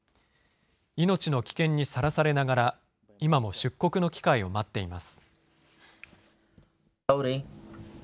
命の危険にさらされながら、今も出国の機会を待っています。